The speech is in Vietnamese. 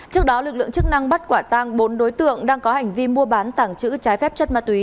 trước đó lực lượng chức năng bắt quả tang bốn đối tượng đang có hành vi mua bán tảng chữ trái phép chất ma túy